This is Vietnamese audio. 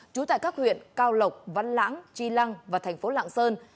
trú tại các huyện cao lộc văn lãng tri lăng và thành phố lạng sơn